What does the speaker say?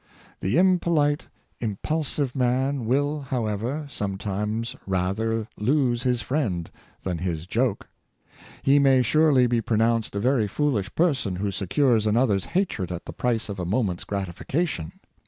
The impolite, impulsive man will, however, some times rather lose his friend than his joke. He may surely be pronounced a very foolish person who secures another's hatred at the price of a moment's gratification.